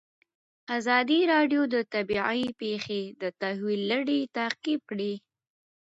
ازادي راډیو د طبیعي پېښې د تحول لړۍ تعقیب کړې.